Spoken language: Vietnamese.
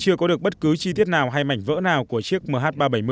chưa có được bất cứ chi tiết nào hay mảnh vỡ nào của chiếc mh ba trăm bảy mươi